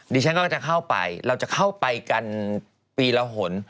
ดิฉันก็จะเข้าไปเราจะเข้าไปกันปีละหน